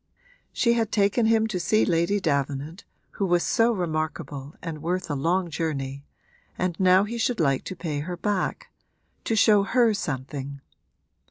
She had taken him to see Lady Davenant, who was so remarkable and worth a long journey, and now he should like to pay her back to show her something.